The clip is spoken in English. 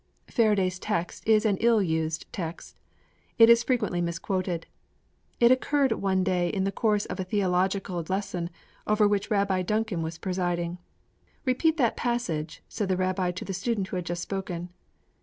_ IV Faraday's text is an ill used text. It is frequently mis quoted. It occurred one day in the course of a theological lesson over which Rabbi Duncan was presiding. 'Repeat that passage!' said the Rabbi to the student who had just spoken.